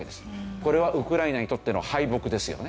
これはウクライナにとっての敗北ですよね。